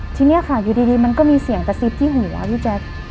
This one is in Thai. ทีนี้ค่ะอยู่ดีมันก็มีเสียงกระซิบที่หัวพี่แจ๊ค